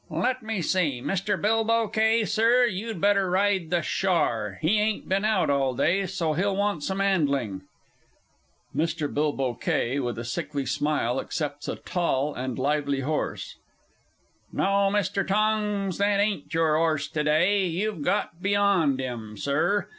_) Let me see Mr. Bilbow Kay, Sir, you'd better ride the Shar; he ain't been out all day, so he'll want some 'andling. (Mr. B. K., with a sickly smile, accepts a tall and lively horse.) No, Mr. Tongs, that ain't your 'orse to day you've got beyond 'im, Sir.